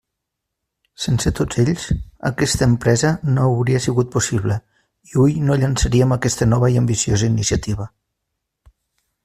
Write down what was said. Sense tots ells, aquesta empresa no hauria sigut possible i hui no llançaríem aquesta nova i ambiciosa iniciativa.